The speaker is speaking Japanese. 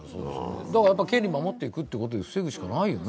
権利守っていくということで防ぐしかないですよね。